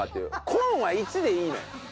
コーンは１でいいの。